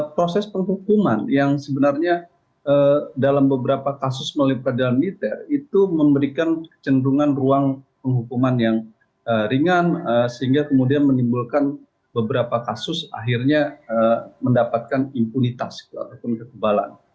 proses penghukuman yang sebenarnya dalam beberapa kasus melalui peradilan militer itu memberikan kecenderungan ruang penghukuman yang ringan sehingga kemudian menimbulkan beberapa kasus akhirnya mendapatkan impunitas ataupun kekebalan